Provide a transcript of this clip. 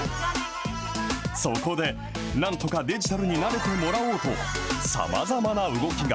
そこで、なんとかデジタルに慣れてもらおうと、さまざまな動きが。